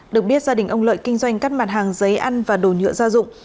được biết gia đình ông lợi kinh doanh các mặt hàng giấy ăn và đồ nhựa gia dụng